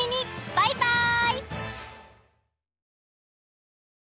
バイバイ！